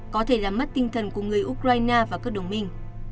có thể làm mất tinh thần của người ukraine và các đồng minh